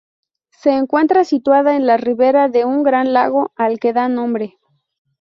Se encuentra situada en la ribera de un gran lago al que da nombre.